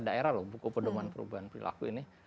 daerah loh buku pedoman perubahan perilaku ini